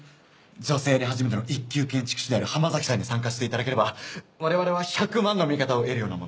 女性で初めての一級建築士である浜崎さんに参加して頂ければ我々は１００万の味方を得るようなもの。